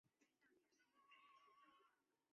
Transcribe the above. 阿田和站纪势本线的铁路车站。